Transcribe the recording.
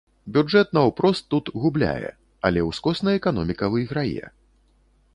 Бюджэт наўпрост тут губляе, але ўскосна эканоміка выйграе.